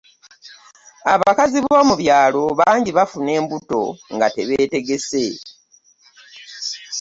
Abakazi b’omu byalo bangi bafuna embuto nga tebeetegese.